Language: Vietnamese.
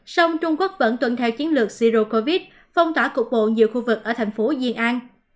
sông trung quốc vẫn tuận theo chiến lược zero covid phong tỏa cục bộ nhiều khu vực ở thành phố duyên an